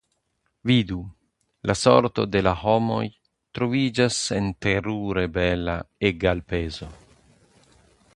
Vidu, la sorto de la homoj troviĝas en terure bela egalpezo.